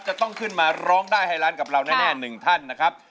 จะต้องขึ้นมาร้องได้ให้ร้านกับเราแน่๑ท่านนะครับ